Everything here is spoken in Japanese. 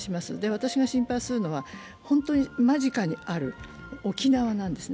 私が心配するのは本当に間近にある沖縄なんですね。